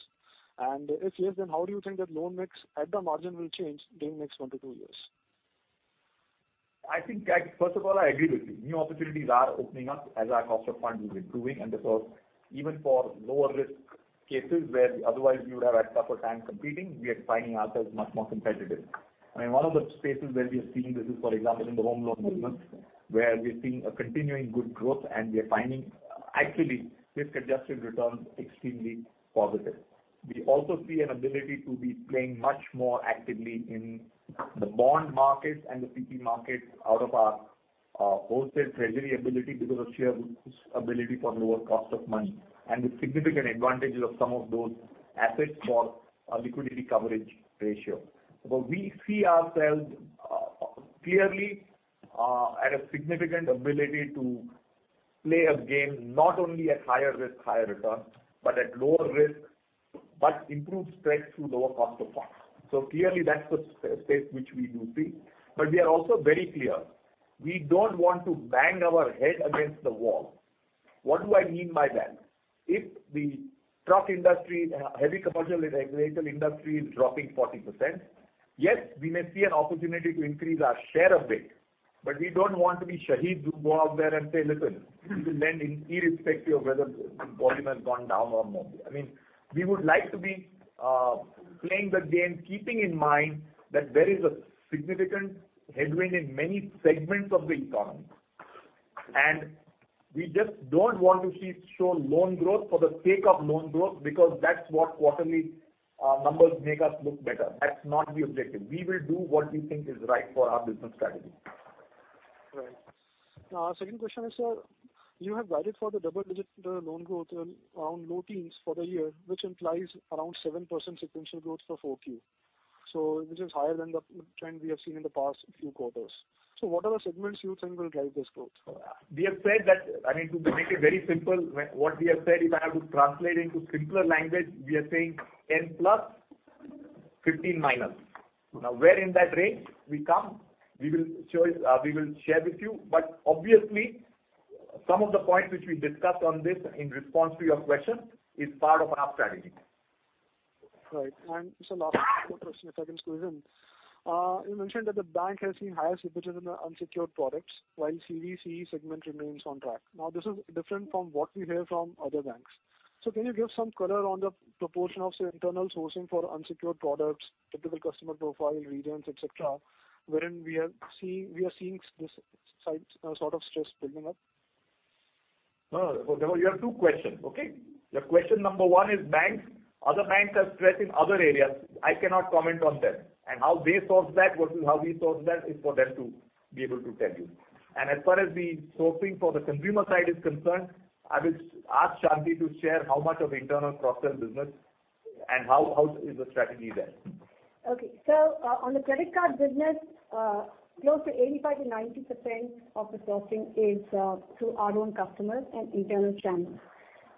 And if yes, then how do you think that loan mix at the margin will change during the next one to two years? I think, like, first of all, I agree with you. New opportunities are opening up as our cost of funds is improving, and therefore, even for lower risk cases where otherwise we would have had tougher time competing, we are finding ourselves much more competitive. I mean, one of the spaces where we are seeing this is, for example, in the home loan business, where we're seeing a continuing good growth, and we are finding, actually, risk-adjusted returns extremely positive. We also see an ability to be playing much more actively in the bond market and the CP market out of our wholesale treasury ability because of sheer ability for lower cost of money, and the significant advantages of some of those assets for a liquidity coverage ratio. But we see ourselves, clearly, at a significant ability to play a game, not only at higher risk, higher return, but at lower risk, but improved spreads through lower cost of funds. So clearly, that's the space which we do see. But we are also very clear, we don't want to bang our head against the wall. What do I mean by that? If the truck industry, heavy commercial and recreational industry is dropping 40%, yes, we may see an opportunity to increase our share of it, but we don't want to be shaheed, who go out there and say: Listen, we will lend in irrespective of whether volume has gone down or more. I mean, we would like to be, playing the game, keeping in mind that there is a significant headwind in many segments of the economy. We just don't want to show loan growth for the sake of loan growth, because that's what quarterly numbers make us look better. That's not the objective. We will do what we think is right for our business strategy. Right. Second question is, sir, you have guided for the double-digit loan growth around low teens for the year, which implies around 7% sequential growth for Q4. So which is higher than the trend we have seen in the past few quarters. So what are the segments you think will drive this growth? We have said that... I mean, to make it very simple, what we have said, if I have to translate into simpler language, we are saying 10 plus, 15 minus. Now, where in that range we come, we will show it, we will share with you. But obviously, some of the points which we discussed on this in response to your question, is part of our strategy. Right. And just a last quick question, if I can squeeze in. You mentioned that the bank has seen higher disbursals in the unsecured products, while CV/CE segment remains on track. Now, this is different from what we hear from other banks. So can you give some color on the proportion of, say, internal sourcing for unsecured products, typical customer profile, regions, et cetera, wherein we are seeing this sort of stress building up?... No, no, so you have two questions, okay? Your question number one is banks. Other banks have stress in other areas. I cannot comment on them and how they source that versus how we source that is for them to be able to tell you. And as far as the sourcing for the consumer side is concerned, I will ask Shanti to share how much of internal cross-sell business and how, how is the strategy there. Okay. So, on the credit card business, close to 85-90% of the sourcing is through our own customers and internal channels.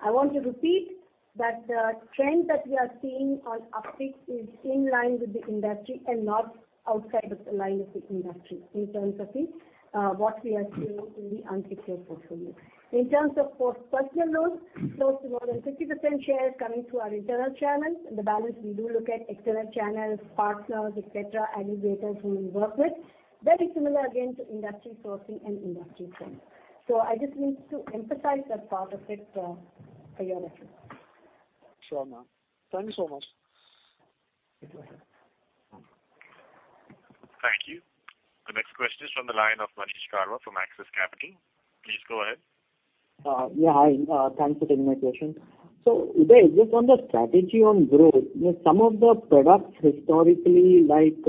I want to repeat that the trend that we are seeing on uptake is in line with the industry and not outside of the line of the industry, in terms of the what we are seeing in the unsecured portfolio. In terms of personal loans, close to more than 50% share is coming through our internal channels. The balance, we do look at external channels, partners, et cetera, aggregators who we work with. Very similar again to industry sourcing and industry trends. So I just need to emphasize that part of it, for your reference. Sure, ma'am. Thank you so much. Thank you. Thank you. The next question is from the line of Manish Karwa from Axis Capital. Please go ahead. Yeah, hi, thanks for taking my question. So Uday, just on the strategy on growth, you know, some of the products historically, like,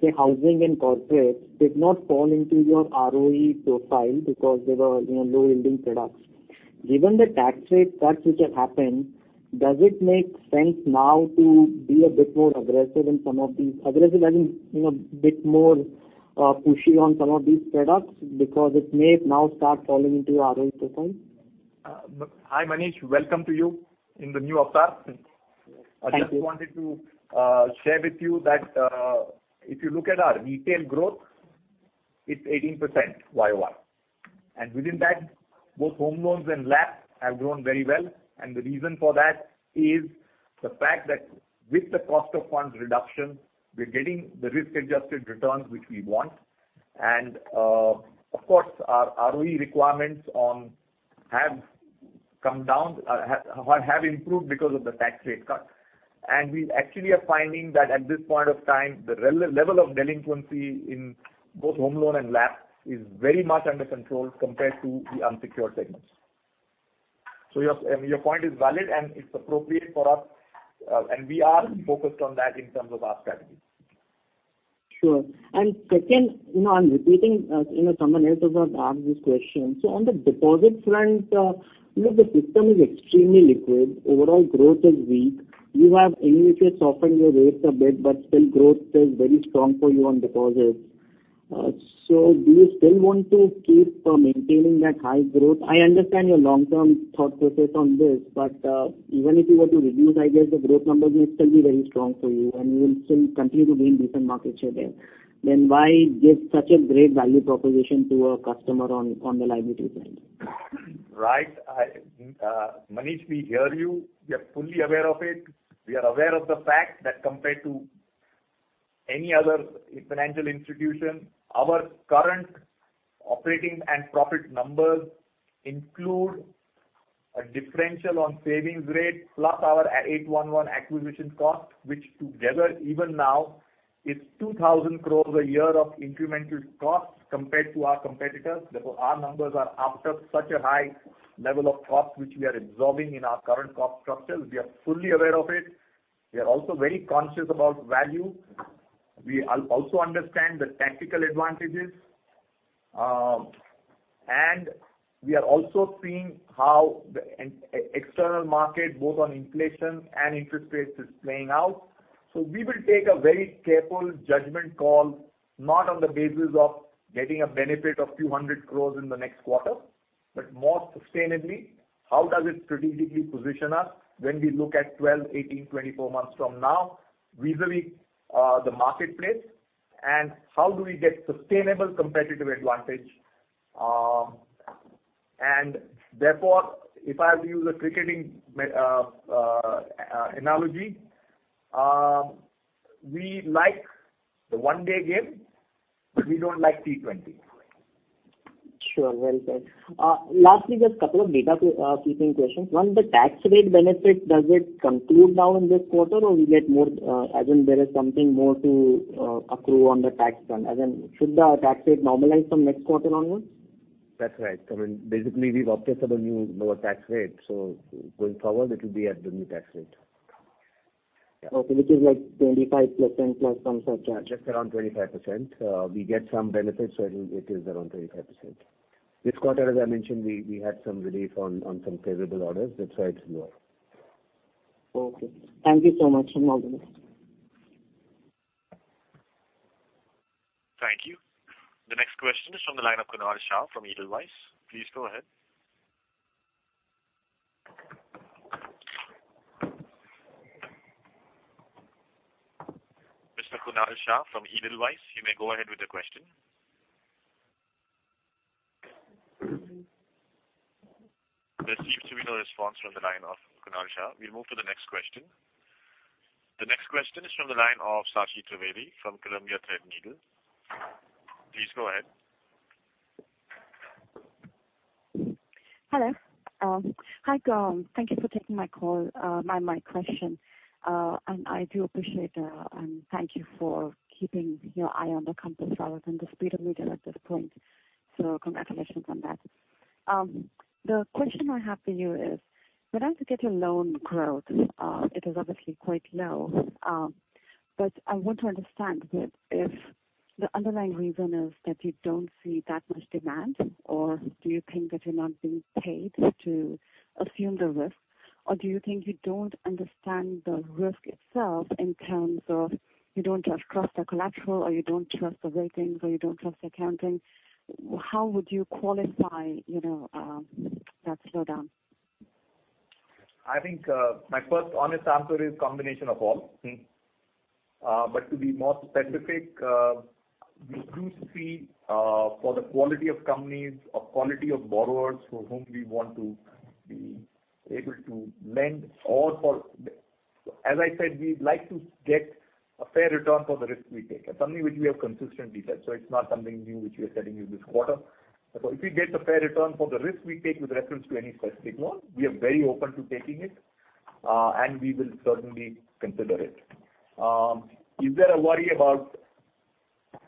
say, housing and corporates, did not fall into your ROE profile because they were, you know, low-yielding products. Given the tax rate cuts which have happened, does it make sense now to be a bit more aggressive in some of these? Aggressive, I mean, you know, a bit more, pushy on some of these products, because it may now start falling into your ROE profile? Hi, Manish, welcome to you in the new avatar. Thank you. I just wanted to share with you that if you look at our retail growth, it's 18% Y-o-Y. And within that, both home loans and laps have grown very well, and the reason for that is the fact that with the cost of funds reduction, we're getting the risk-adjusted returns which we want. And of course, our ROE requirements have come down, have improved because of the tax rate cut. And we actually are finding that at this point of time, the level of delinquency in both home loan and lap is very much under control compared to the unsecured segments. So your point is valid, and it's appropriate for us, and we are focused on that in terms of our strategy. Sure. And second, you know, I'm repeating, you know, someone else has asked this question. So on the deposit front, you know, the system is extremely liquid. Overall growth is weak. You have anyway softened your rates a bit, but still growth is very strong for you on deposits. So do you still want to keep maintaining that high growth? I understand your long-term thought process on this, but, even if you were to reduce, I guess the growth numbers may still be very strong for you, and you will still continue to gain decent market share there. Then why give such a great value proposition to a customer on the liability front? Right. I, Manish, we hear you. We are fully aware of it. We are aware of the fact that compared to any other financial institution, our current operating and profit numbers include a differential on savings rate, plus our 811 acquisition cost, which together, even now, is 2,000 crore a year of incremental costs compared to our competitors. Therefore, our numbers are after such a high level of cost, which we are absorbing in our current cost structure. We are fully aware of it. We are also very conscious about value. We also understand the tactical advantages, and we are also seeing how the external market, both on inflation and interest rates, is playing out. So we will take a very careful judgment call, not on the basis of getting a benefit of 200 crore in the next quarter, but more sustainably, how does it strategically position us when we look at 12, 18, 24 months from now, vis-a-vis, the marketplace, and how do we get sustainable competitive advantage? And therefore, if I have to use a cricketing analogy, we like the one-day game, but we don't like T20. Sure, well said. Lastly, just a couple of bookkeeping questions. One, the tax rate benefit, does it conclude now in this quarter, or we get more, as in there is something more to accrue on the tax front? As in, should the tax rate normalize from next quarter onwards? That's right. I mean, basically, we've opted for the new lower tax rate, so going forward, it will be at the new tax rate. Okay, which is like twenty-five plus ten plus some surcharge. Just around 25%. We get some benefits, so it is around 25%. This quarter, as I mentioned, we had some relief on some favorable orders. That's why it's lower. Okay. Thank you so much. Have a wonderful day. Thank you. The next question is from the line of Kunal Shah from Edelweiss. Please go ahead. Mr. Kunal Shah from Edelweiss, you may go ahead with the question. There seems to be no response from the line of Kunal Shah. We'll move to the next question. The next question is from the line of Sachee Trivedi from Columbia Threadneedle. Please go ahead. Hello. Hi, Gaurang. Thank you for taking my call, my question and I do appreciate and thank you for keeping your eye on the compass rather than the speed of needle at this point, so congratulations on that. The question I have for you is-... When I look at your loan growth, it is obviously quite low, but I want to understand that if the underlying reason is that you don't see that much demand, or do you think that you're not being paid to assume the risk? Or do you think you don't understand the risk itself in terms of you don't trust the collateral, or you don't trust the ratings, or you don't trust the accounting? How would you qualify, you know, that slowdown? I think, my first honest answer is combination of all, but to be more specific, we do see for the quality of companies or quality of borrowers for whom we want to be able to lend. As I said, we'd like to get a fair return for the risk we take, and something which we have consistently said, so it's not something new which we are telling you this quarter, if we get a fair return for the risk we take with reference to any specific loan, we are very open to taking it, and we will certainly consider it. Is there a worry about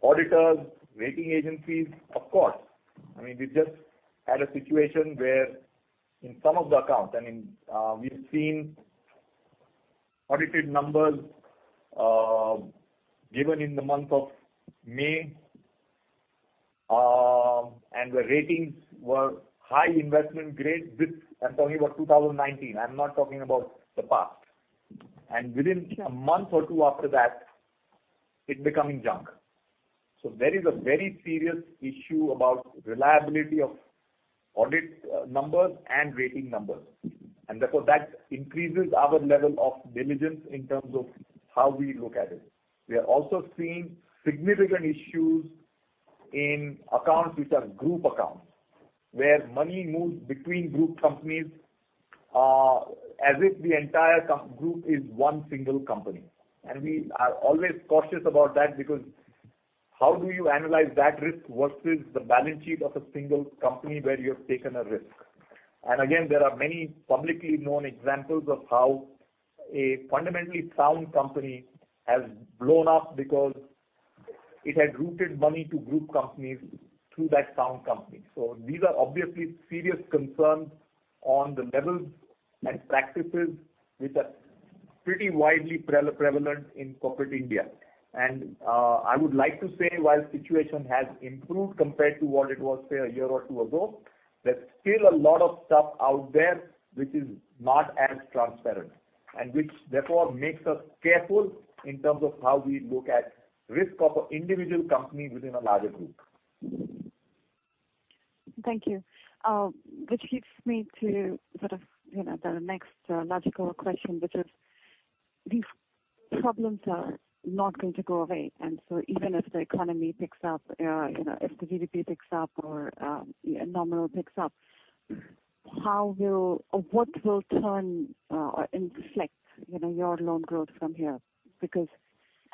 auditors, rating agencies? Of course. I mean, we've just had a situation where in some of the accounts, I mean, we've seen audited numbers given in the month of May, and the ratings were high investment grade with... I'm talking about two thousand and nineteen, I'm not talking about the past. And within a month or two after that, it's becoming junk. So there is a very serious issue about reliability of audit numbers and rating numbers, and therefore, that increases our level of diligence in terms of how we look at it. We have also seen significant issues in accounts which are group accounts, where money moves between group companies, as if the entire group is one single company. And we are always cautious about that, because how do you analyze that risk versus the balance sheet of a single company where you have taken a risk? And again, there are many publicly known examples of how a fundamentally sound company has blown up because it had routed money to group companies through that sound company. So these are obviously serious concerns on the levels and practices which are pretty widely prevalent in corporate India. I would like to say, while situation has improved compared to what it was, say, a year or two ago, there's still a lot of stuff out there which is not as transparent and which, therefore, makes us careful in terms of how we look at risk of an individual company within a larger group. Thank you. Which leads me to sort of, you know, the next, logical question, which is, these problems are not going to go away, and so even if the economy picks up, you know, if the GDP picks up or, nominal picks up, how will or what will turn, or inflect, you know, your loan growth from here? Because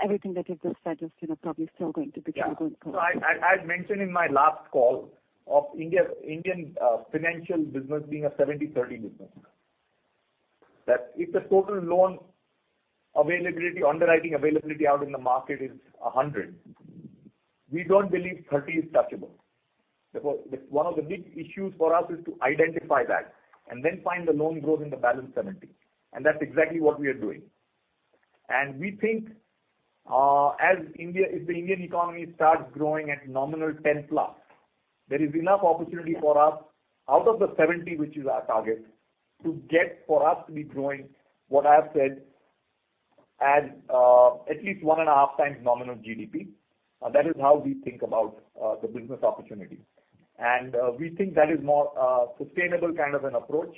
everything that you just said is, you know, probably still going to be a good point. Yeah. So I have mentioned in my last call of Indian financial business being a 70-30 business. That if the total loan availability, underwriting availability out in the market is 100, we don't believe 30 is touchable. Therefore, the one of the big issues for us is to identify that and then find the loan growth in the balance 70, and that's exactly what we are doing. And we think, as if the Indian economy starts growing at nominal 10 plus, there is enough opportunity for us, out of the 70, which is our target, to get for us to be growing what I have said at, at least one and a half times nominal GDP. That is how we think about the business opportunity. And we think that is more sustainable kind of an approach.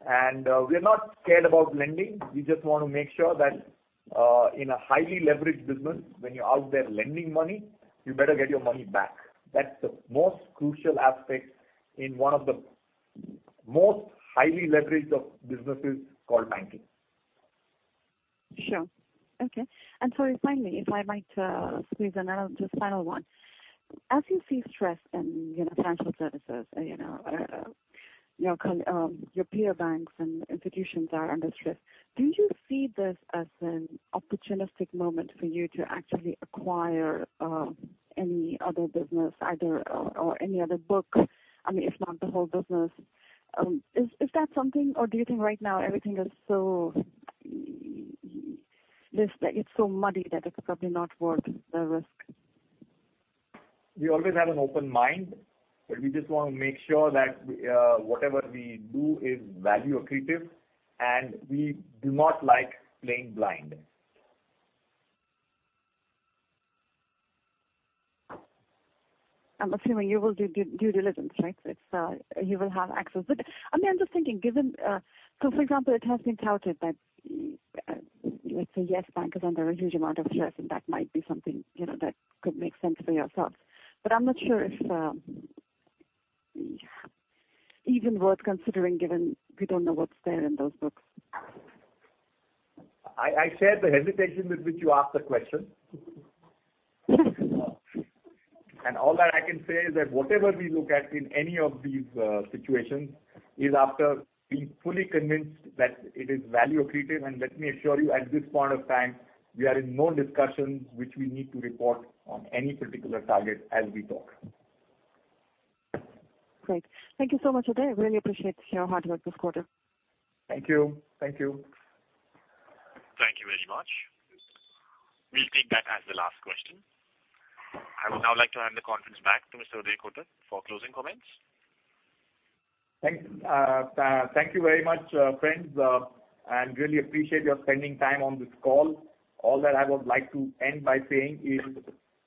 We are not scared about lending. We just want to make sure that, in a highly leveraged business, when you're out there lending money, you better get your money back. That's the most crucial aspect in one of the most highly leveraged of businesses called banking. Sure. Okay. And so finally, if I might, squeeze another, just final one. As you see stress in, you know, financial services, you know, your peer banks and institutions are under stress, do you see this as an opportunistic moment for you to actually acquire any other business, either or any other book, I mean, if not the whole business? Is that something, or do you think right now everything is so, just like, it's so muddy that it's probably not worth the risk? We always have an open mind, but we just want to make sure that, whatever we do is value accretive, and we do not like playing blind. I'm assuming you will do due diligence, right? It's, you will have access. But, I mean, I'm just thinking, given... So for example, it has been touted that, let's say, Yes Bank is under a huge amount of stress, and that might be something, you know, that could make sense for yourselves. But I'm not sure if, even worth considering, given we don't know what's there in those books. I share the hesitation with which you asked the question. And all that I can say is that whatever we look at in any of these situations is after being fully convinced that it is value accretive. And let me assure you, at this point of time, we are in no discussions which we need to report on any particular target as we talk.... Great. Thank you so much, Uday. I really appreciate your hard work this quarter. Thank you. Thank you. Thank you very much. We'll take that as the last question. I would now like to hand the conference back to Mr. Uday Kotak for closing comments. Thank you very much, friends, and really appreciate your spending time on this call. All that I would like to end by saying is,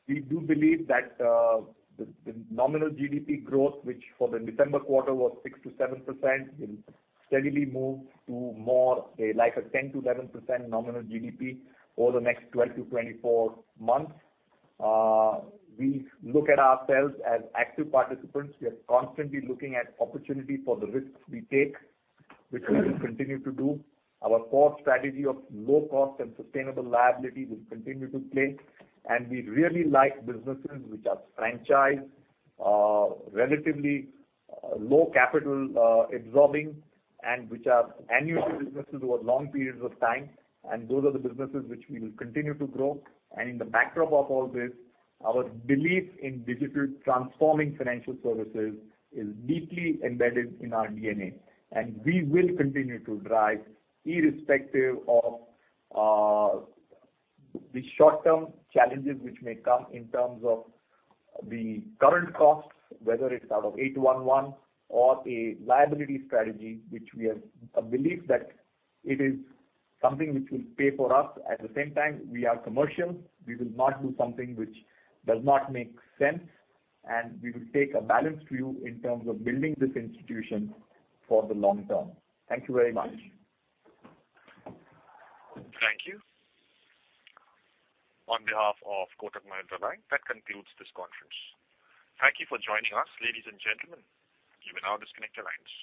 we do believe that the nominal GDP growth, which for the December quarter was 6-7%, will steadily move to more, say, like a 10-11% nominal GDP over the next twelve to twenty-four months. We look at ourselves as active participants. We are constantly looking at opportunity for the risks we take, which we will continue to do. Our core strategy of low cost and sustainable liability will continue to play, and we really like businesses which are franchised, relatively, low capital, absorbing, and which are annual businesses over long periods of time, and those are the businesses which we will continue to grow. And in the backdrop of all this, our belief in digital transforming financial services is deeply embedded in our DNA, and we will continue to drive, irrespective of, the short-term challenges which may come in terms of the current costs, whether it's out of 811 or a liability strategy, which we have a belief that it is something which will pay for us. At the same time, we are commercial. We will not do something which does not make sense, and we will take a balanced view in terms of building this institution for the long term. Thank you very much. Thank you. On behalf of Kotak Mahindra Bank, that concludes this conference. Thank you for joining us, ladies and gentlemen. You may now disconnect your lines.